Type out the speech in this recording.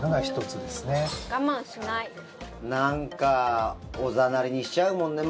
なんかおざなりにしちゃうもんね。